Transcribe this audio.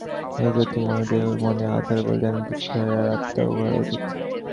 ঐ জ্যোতির্ময় দেহই মনের আধার বলিয়া বিবেচিত হয়, আর আত্মা উহার অতীত।